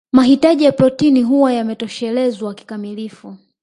Mahitaji ya protini huwa yametoshelezwa kikamilifu